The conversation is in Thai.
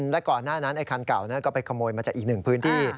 และก่อนหน้านั้นไอ้คันเก่าก็ไปขโมยมาจากอีกหนึ่งพื้นที่